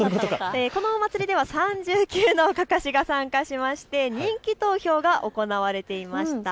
このお祭りでは３９のかかしが参加しまして人気投票が行われていました。